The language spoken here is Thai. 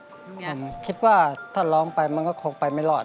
ผมคิดว่าถ้าร้องไปมันก็คงไปไม่รอด